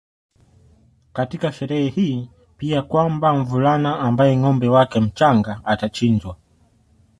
katika sherehe hii pia kwamba mvulana ambaye ngâombe wake mchanga atachinjwa